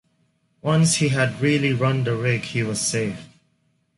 Once he had really run the rig he was safe.